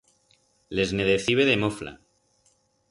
Les ne decibe de mofla.